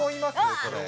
これ。